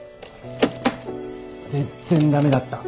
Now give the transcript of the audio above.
全然駄目だった。